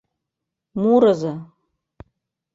Мурызо.